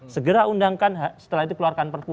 segera undangkan setelah itu keluarkan perpu